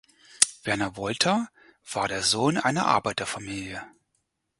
Werner Wolter war der Sohn einer Arbeiterfamilie.